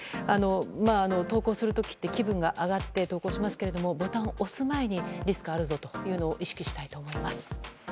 投稿する時って気分が上がって投稿しますけどボタンを押す前にリスクあるぞと意識してほしいと思います。